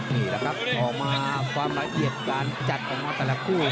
นี่แหละครับออกมาความละเอียดการจัดออกมาแต่ละคู่